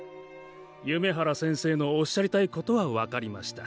夢原先生のおっしゃりたいことは分かりました。